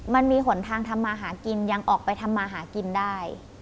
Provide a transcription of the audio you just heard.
มันมีหนทางทำมาหากินยังออกไปทำมาหากินได้